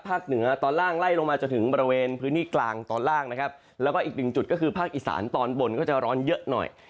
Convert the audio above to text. เหนือตอนล่างไล่ลงมาจนถึงบริเวณพื้นที่กลางตอนล่างนะครับแล้วก็อีกหนึ่งจุดก็คือภาคอีสานตอนบนก็จะร้อนเยอะหน่อย